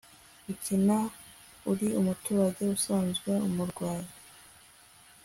ukina ari umuturage usanzwe/umurwayi